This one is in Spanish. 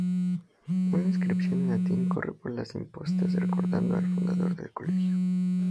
Una inscripción en latín corre por las impostas recordando al fundador del Colegio.